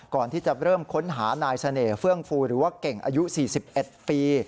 ก่อนที่จะเริ่มค้นหานายเสน่หเฟื่องฟูหรือว่าเก่งอายุ๔๑ปี